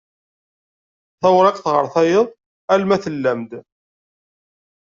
Tawriqt ɣer tayeḍ alma tellem-d.